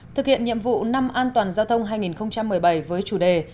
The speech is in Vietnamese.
thực hiện nhiệm vụ năm an toàn giao thông hai nghìn một mươi bảy với chủ đề